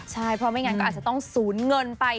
ใช่เพราะไม่งั้นก็อาจจะต้องสูญเงินไป